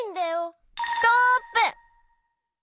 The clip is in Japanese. ストップ！